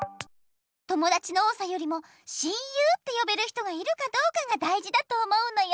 ともだちの多さよりも親友ってよべる人がいるかどうかがだいじだと思うのよ。